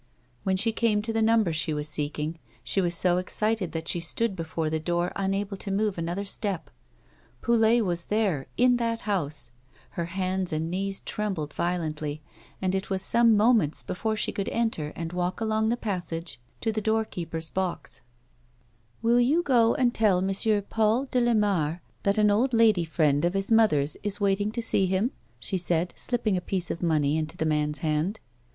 When she came to the number she was seeking, she was so excited that she stood before the door imable to move another step. Poulet was there, in that house ! Her hands and knees trembled violently, and it was some moments before she could enter and walk along the passage to the doorkeeper's box. 236 A WOMAN'S LIFE. " Will you go and tell M. Paxil de Lamare that an old lady, a friend of his mother's, is waiting to see him 1 " she said, slipping a piece of money into the man's hand.